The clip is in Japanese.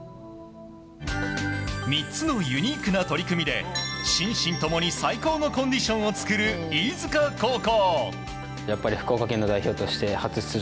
３つのユニークな取り組みで心身ともに最高のコンディションを作る飯塚高校。